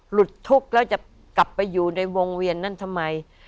หลุดทุกข์แล้วจะกลับไปอยู่ในวงเวียนนั้นทำไม